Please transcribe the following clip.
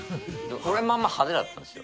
俺はまあまあ派手だったんですよ。